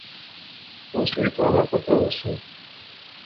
اُس وی تہواڑا پتہ ہوسی